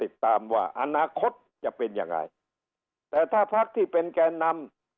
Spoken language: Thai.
ติดตามว่าอนาคตจะเป็นยังไงแต่ถ้าพักที่เป็นแกนนำ